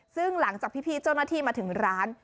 ซึ่งหลังจากพี่เจ้าหน้าที่มาถึงร้าน